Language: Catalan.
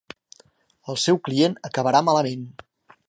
El seu client acabarà malament.